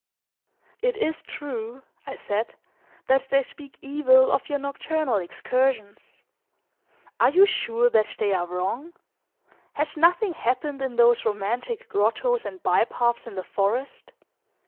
"It is true," I said, "that they speak evil of your nocturnal excursions. Are you sure that they are wrong? Has nothing happened in those romantic grottoes and by paths in the forest?